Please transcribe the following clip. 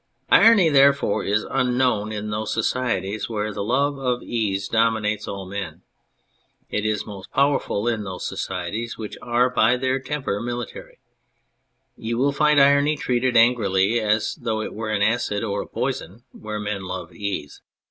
Irony, therefore, is unknown in those societies where the love of ease dominates all men. It is most powerful in those societies which are by their temper military. You will find irony treated angrily, as though it were an acid or a poison, where men love ease.